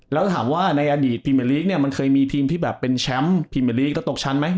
แล้วถามว่าในอดีตพรีเมอร์ลีกเนี่ยมันเคยมีทีมที่แบบเป็นแชมป์พรีเมอร์ลีกแล้วตกชั้นไหม